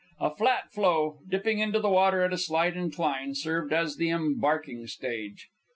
A flat floe, dipping into the water at a slight incline, served as the embarking stage.